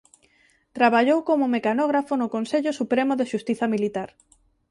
Traballou como mecanógrafo no Consello Supremo de Xustiza Militar.